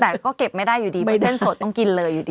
แต่ก็เก็บไม่ได้อยู่ดีมีเส้นสดต้องกินเลยอยู่ดี